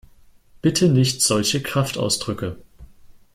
Bitte nicht solche Kraftausdrücke!